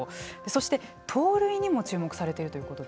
そして盗塁にも注目されているということで。